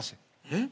えっ？